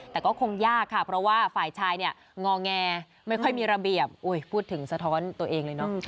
แต่ก็คงยากค่ะเพราะว่าฝ่ายชายเนี่ยงอแงไม่ค่อยมีระเบียบพูดถึงสะท้อนตัวเองเลยเนอะ